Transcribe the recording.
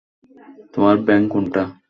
তোমার ব্যাংক কোনটা?